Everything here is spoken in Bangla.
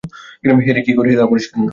হ্যারি কী করে, তা পরিষ্কার না।